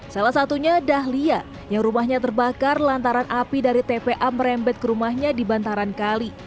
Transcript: salah satunya dahlia yang rumahnya terbakar lantaran api dari tpa merembet ke rumahnya di bantaran kali